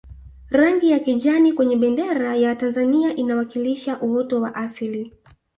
rangi ya kijani kwenye bendera ya tanzania inawakilisha uoto wa asili